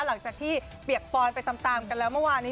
หลังจากที่เปียกปอนไปตามกันแล้วเมื่อวานนี้